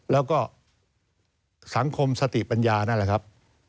แล้วก็สังคมสติปัญญานั่นแหละครับ